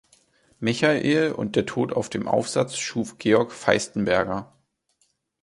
Michael und der Tod auf dem Aufsatz schuf Georg Faistenberger.